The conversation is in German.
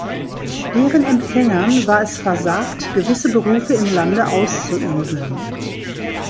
Deren Empfängern war es versagt gewisse Berufe im Lande auszuüben.